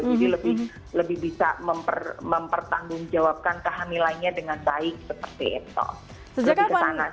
jadi lebih bisa mempertanggungjawabkan kehamilannya dengan baik seperti itu